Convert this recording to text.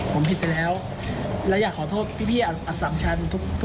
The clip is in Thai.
ก็ไม่ว่าพี่พี่มมันสลัดอยู่